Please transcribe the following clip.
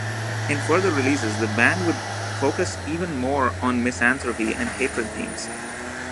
In further releases, the band would focus even more on misanthropy and hatred themes.